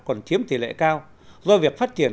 còn chiếm tỷ lệ cao do việc phát triển